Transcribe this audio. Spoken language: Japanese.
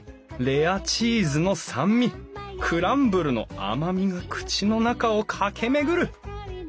レアチーズの酸味クランブルの甘みが口の中を駆け巡る！